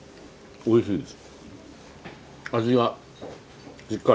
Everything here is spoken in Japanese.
おおいしいです。